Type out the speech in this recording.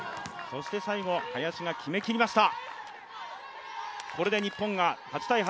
そして最後、林が決めきりました。